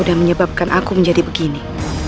dan menyebabkan aku menjadi begini